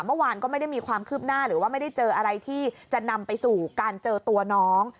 เมื่อวานก็ไม่ได้มีความคืบหน้าหรือว่าไม่ได้เจออะไรที่จะนำไปสู่การเจอตัวน้อง